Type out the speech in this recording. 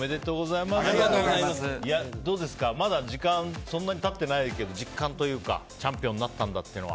どうですか、まだ時間そんなに経ってないけど実感というか、チャンピオンになったんだっていうのは。